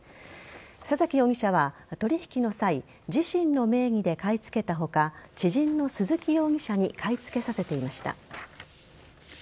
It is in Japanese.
佐崎容疑者は取引の際自身の名義で買い付けた他知人の鈴木容疑者に買い付けさせていました。